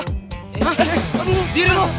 hah aduh diri lo